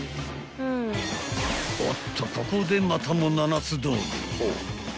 ［おっとここでまたも７つ道具］